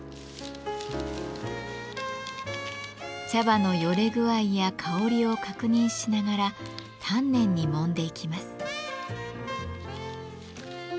茶葉のよれ具合や香りを確認しながら丹念にもんでいきます。